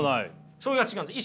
それが違うんです。